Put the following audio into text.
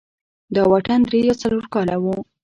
دا واټن درې تر څلور کاله و.